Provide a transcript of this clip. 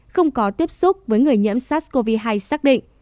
không có tiếp xúc với người nhiễm sars cov hai xác định